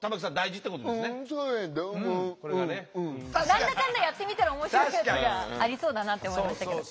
何だかんだやってみたら面白そうなやつがありそうだなって思いましたけど。